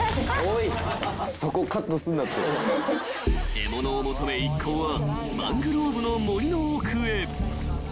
［獲物を求め一行はマングローブの森の奥へ］